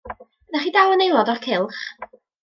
Ydych chi'n dal yn aelod o'r cylch?